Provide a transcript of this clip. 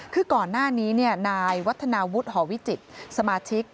คือก่อนหน้านี้นายวัฒนาวุฒิหอวิจิตรสมาชิก